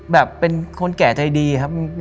เป็นคนแก่ใจดีครับ